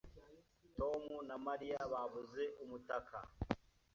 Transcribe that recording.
Tom na Mariya babuze umutaka